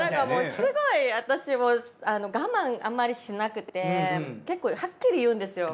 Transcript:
すごい私も我慢あんまりしなくて結構ハッキリ言うんですよ。